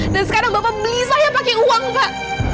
dan sekarang bapak beli saya pakai uang pak